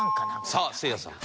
さあせいやさん。